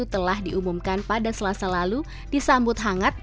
telah diumumkan pada selasa lalu disambut hangat